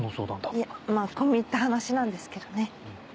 いえ込み入った話なんですけど。